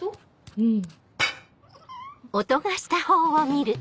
うん。